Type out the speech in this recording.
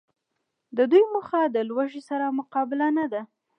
د دوی موخه د لوږي سره مقابله نده